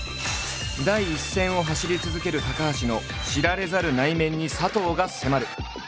第一線を走り続ける高橋の知られざる内面に佐藤が迫る！